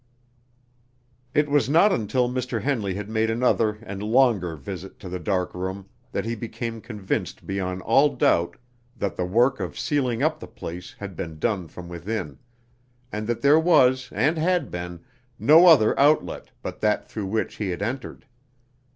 7 It was not until Mr. Henley had made another and longer visit to the dark room that he became convinced beyond all doubt that the work of sealing up the place had been done from within, and that there was, and had been, no other outlet but that through which he had entered.